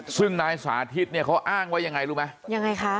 ซึ่งนายสาธิตเนี่ยเขาอ้างว่ายังไงรู้ไหมยังไงคะ